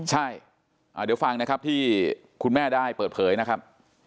ใช่เดี๋ยวฟังนะครับที่คุณแม่ได้เปิดเผยนะครับ